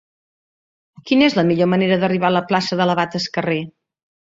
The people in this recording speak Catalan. Quina és la millor manera d'arribar a la plaça de l'Abat Escarré?